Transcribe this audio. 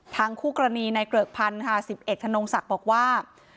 ทางคู่กรณีนายเกลือกพันธุ์๕๑ถนนงศักดิ์บอกว่า